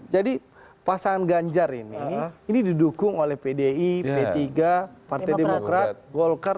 jadi pasangan ganjar ini ini didukung oleh pdi p tiga partai demokrat golkar